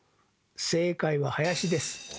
正解は林です。